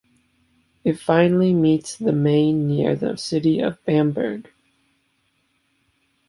It finally meets the Main near the city of Bamberg.